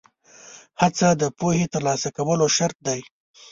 هڅه د پوهې ترلاسه کولو شرط دی.